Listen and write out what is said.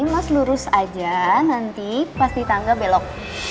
mas lurus aja nanti pas ditangga belok